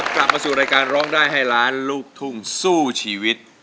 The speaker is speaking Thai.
กลับมาสู่รายการร้องได้ให้ล้านลูกทุ่งสู้ชีวิต